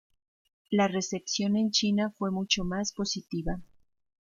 La recepción en China fue mucho más positiva.